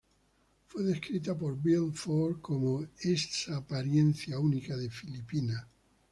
Fue descrita por Bill Ford como, "esa apariencia única de Filipinas".